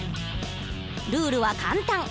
ルールは簡単。